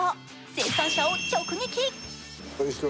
生産者を直撃。